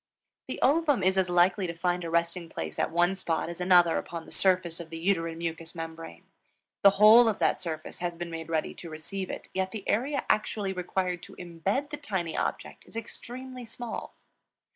The ovum is as likely to find a resting place at one spot as another upon the surface of the uterine mucous membrane. The whole of that surface has been made ready to receive it; yet the area actually required to imbed the tiny object is extremely small.